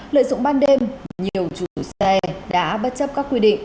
lợi dụng ban đêm nhiều chủ xe đã bất chấp các quy định